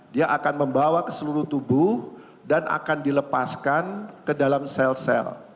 dia akan membawa ke seluruh tubuh dan akan dilepaskan ke dalam sel sel